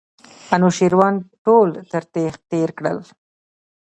انوشیروان ټول تر تېغ تېر کړل.